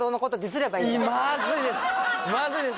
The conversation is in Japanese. まずいです！